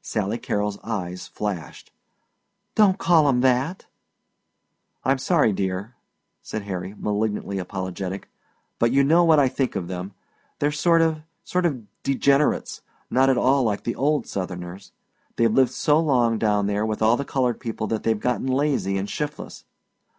Sally Carrol's eyes flashed. "Don't call 'em that." "I'm sorry, dear," said Harry, malignantly apologetic, "but you know what I think of them. They're sort of sort of degenerates not at all like the old Southerners. They've lived so long down there with all the colored people that they've gotten lazy and shiftless."